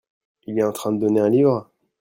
Il est en train de donner un livre ?